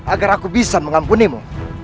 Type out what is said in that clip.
agar aku bisa mengampunimu